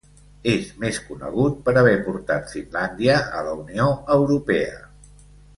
És més conegut per haver portat Finlàndia a la Unió Europea.